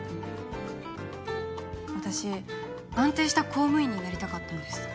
私安定した公務員になりたかったんです。